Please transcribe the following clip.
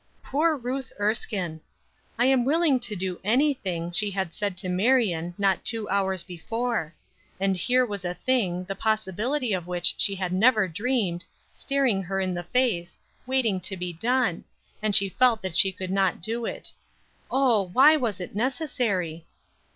Poor Ruth Erskine! "I am willing to do anything," she had said to Marion, not two hours before; and here was a thing, the possibility of which she had never dreamed, staring her in the face, waiting to be done, and she felt that she could not do it. Oh, why was it necessary?